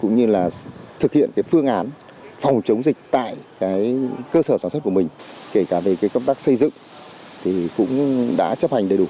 cũng như là thực hiện phương án phòng chống dịch tại cơ sở sản xuất của mình kể cả về công tác xây dựng thì cũng đã chấp hành đầy đủ